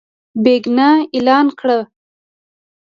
بېګناه اعلان کړو.